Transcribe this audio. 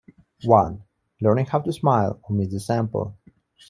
One: Learning How to Smile omit the sample.